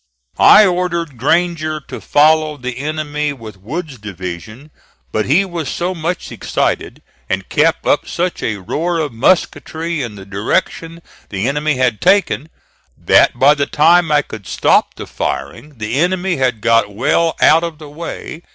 I ordered Granger to follow the enemy with Wood's division, but he was so much excited, and kept up such a roar of musketry in the direction the enemy had taken, that by the time I could stop the firing the enemy had got well out of the way.